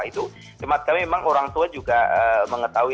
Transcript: itu cuma kami memang orang tua juga mengetahui